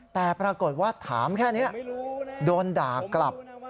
แต่ปรากฏว่าถามแค่นี้โดนด่ากลับ